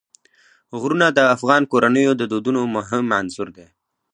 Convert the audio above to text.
غرونه د افغان کورنیو د دودونو مهم عنصر دی.